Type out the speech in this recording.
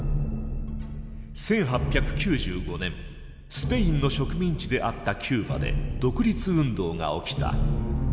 １８９５年スペインの植民地であったキューバで独立運動が起きた。